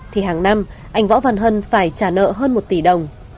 thì hàng năm anh võ văn hân phải trả nợ hơn một tỷ đồng